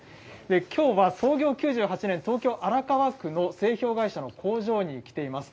きょうは創業９８年、東京・荒川区の製氷会社の工場に来ています。